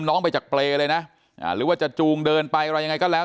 น้องไปจากเปรย์เลยนะหรือว่าจะจูงเดินไปอะไรยังไงก็แล้ว